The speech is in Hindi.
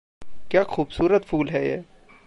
क्या खूबसूरत फूल है यह!